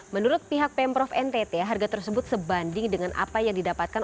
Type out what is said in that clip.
menurut pihak pemprov ntt harga tersebut sebanding dengan apa yang didapatkan